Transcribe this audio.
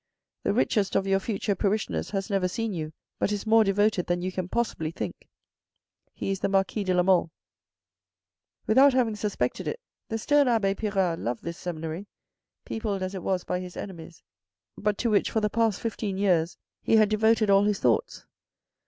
The richest of your future parishioners has never seen you, but is more devoted than you can possibly think : he is the Marquis de la Mole." Without having suspected it, the stern abbe Pirard loved this seminary, peopled as it was by his enemies, but to which for the past fifteen years he had devoted all his thoughts.